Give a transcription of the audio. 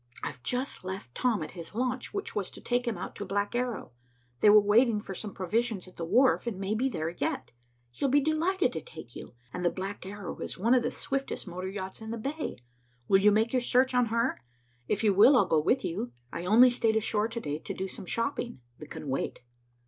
"I've just left Tom at his launch, which was to take him out to the Black Arrow. They were waiting for some provisions at the wharf, and may be there yet. He'll be delighted to take you, and the Black Arrow is one of the swiftest motor yachts in the bay. Will you make your search on her? If you will, I'll go with you. I only stayed ashore to day to do some shopping that can wait."